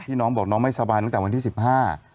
น้องบอกน้องไม่สบายตั้งแต่วันที่สิบห้า